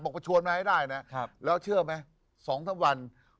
บอกไปชวนมาให้ได้แล้วเชื่อไหม๒ท่ะวัน